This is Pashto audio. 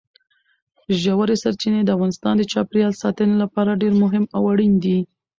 ژورې سرچینې د افغانستان د چاپیریال ساتنې لپاره ډېر مهم او اړین دي.